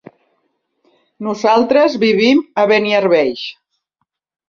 Nosaltres vivim a Beniarbeig.